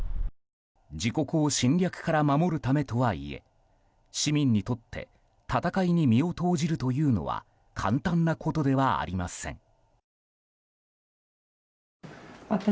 自国を侵略から守るためとはいえ市民にとって戦いに身を投じるというのは簡単なことではありません。